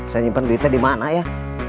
saya nyimpen duitnya di mana ya